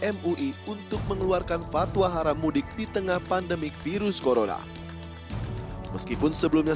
mui untuk mengeluarkan fatwa haram mudik di tengah pandemik virus corona meskipun sebelumnya